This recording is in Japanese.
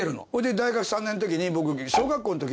大学３年のときに僕。